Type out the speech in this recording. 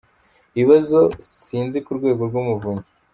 Ibibazo isinzi ku Rwego rw’Umuvunyi